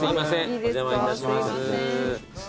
お邪魔いたします。